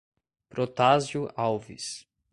Protásio Alves